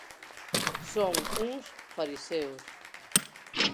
Son uns fariseos.